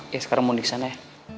ya sekarang mau disana ya